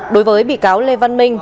đối với bị cáo lê văn minh